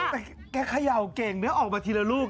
แต่แกเขย่าเก่งเนื้อออกมาทีละลูก